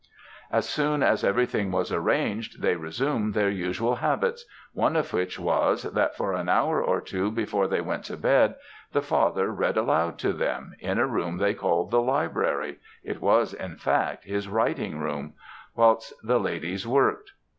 "As soon as everything was arranged, they resumed their usual habits one of which was, that for an hour or two before they went to bed the father read aloud to them, in a room they called the library it was, in fact, his writing room whilst the ladies worked.